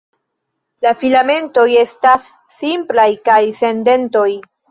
La filamentoj estas simplaj kaj sen dentoj.